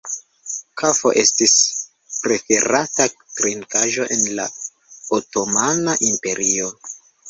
Kafo estis preferata trinkaĵo en la otomana imperio.